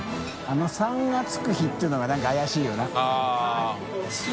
「３が付く日」っていうのが何か怪しいよな？